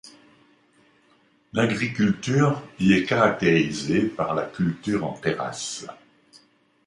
L'agriculture y est caractérisée par la culture en terrasses.